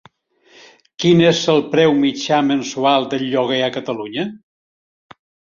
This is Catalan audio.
Quin és el preu mitjà mensual del lloguer a Catalunya?